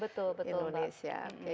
betul betul mbak